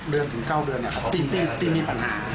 เดือนถึง๙เดือนมีปัญหา